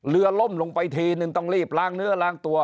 ล่มลงไปทีนึงต้องรีบล้างเนื้อล้างตัว